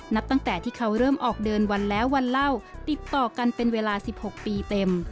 นับตั้งแต่ที่เขาเริ่มออกเดินวันแล้ววันเล่าติดต่อกันเป็นเวลา๑๖ปีเต็ม